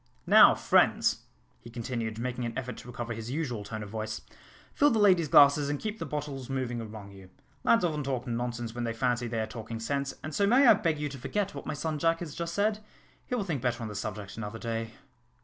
Now, friends," he continued, making an effort to recover his usual tone of voice, "fill the ladies' glasses, and keep the bottles moving among you. Lads often talk nonsense when they fancy they are talking sense, and so may I beg you to forget what my son Jack has just said? He will think better on the subject another day."